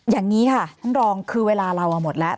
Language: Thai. อย่างนี้ค่ะท่านรองคือเวลาเราหมดแล้ว